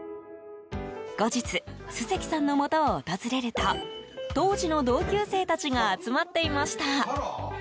後日、栖関さんのもとを訪れると当時の同級生たちが集まっていました。